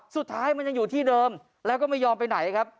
สุดท้ายมันยังอยู่ที่เดิมแล้วก็ไม่ยอมไปไหนครับ